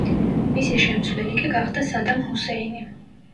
მისი შემცვლელი კი გახდა სადამ ჰუსეინი.